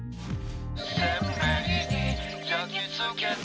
「鮮明に焼き付けて」